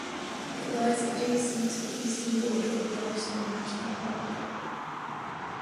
It lies adjacent to the eastern border of Yellowstone National Park.